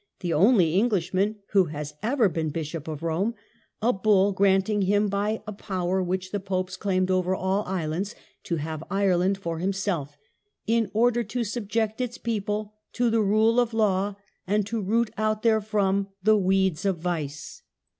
(the only Englishman who has ever been Bishop of Rome) a bull granting him, by a power which the popes claimed over all islands, to have Ireland for himself, " in order to subject its people to the rule of law, and to root out therefrom the weeds of vice".